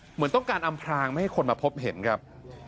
เหมือนต้องการอำพลางไม่ให้คนมาพบเห็นครับ